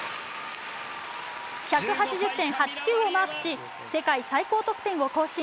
１８０．８９をマークし、世界最高得点を更新。